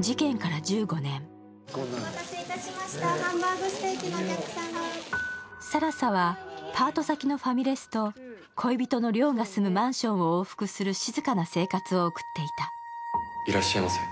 事件から１５年、更紗はパーと先のファミレスと恋人の亮が住むマンションを往復する静かな生活を送っていた。